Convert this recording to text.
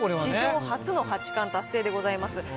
史上初の八冠達成でございます。